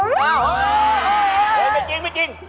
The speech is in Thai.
หรือไม่จริง